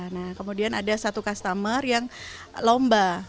nah kemudian ada satu customer yang lomba